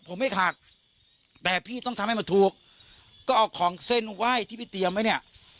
ผมไม่ขาดแต่พี่ต้องทำให้มันถูกก็เอาของเส้นไหว้ที่พี่เตรียมไว้เนี่ย